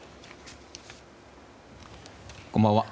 こんばんは。